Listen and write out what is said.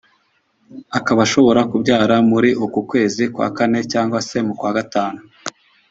akaba ashobora kubyara muri uku kwezi kwa Kane cyangwa se mu kwa Gatanu